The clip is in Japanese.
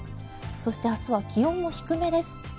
そして、明日は気温も低めです。